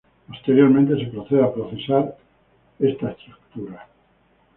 Posteriormente se procede a procesar esta estructura.